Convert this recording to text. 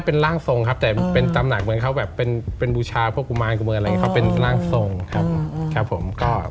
เป็นร่างทรงครับแต่เป็นตำหนักเหมือนเขาแบบเป็นบูชาพวกกุมารกุมารอะไรอย่างนี้เขาเป็นร่างทรงครับครับผมก็